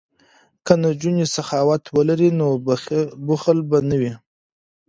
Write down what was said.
که نجونې سخاوت ولري نو بخل به نه وي.